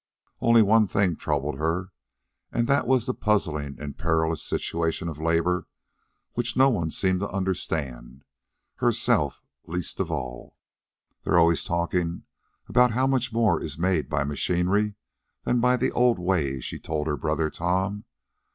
Only one thing troubled her, and that was the puzzling and perilous situation of labor which no one seemed to understand, her self least of all. "They're always talking about how much more is made by machinery than by the old ways," she told her brother Tom.